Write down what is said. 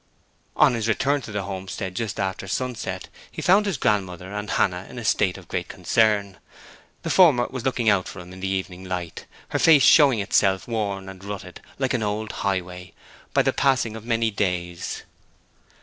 On his return to the homestead, just after sunset, he found his grandmother and Hannah in a state of great concern. The former was looking out for him against the evening light, her face showing itself worn and rutted, like an old highway, by the passing of many days.